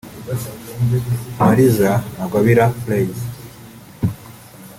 Maliza Ntagwabira Praise